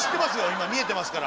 今見えてますから。